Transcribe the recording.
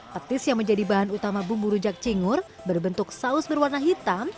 petis yang menjadi bahan utama bumbu rujak cingur berbentuk saus berwarna hitam